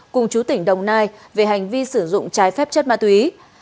cùng chú tỉnh đồng nai về hành vi sử dụng trái phép chất ma túy